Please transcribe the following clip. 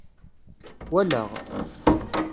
Walaɣ.